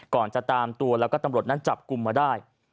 จะตามตัวแล้วก็ตำรวจนั้นจับกลุ่มมาได้